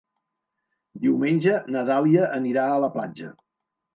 Diumenge na Dàlia anirà a la platja.